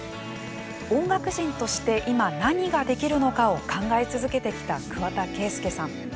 音楽人として今何ができるのかを考え続けてきた桑田佳祐さん。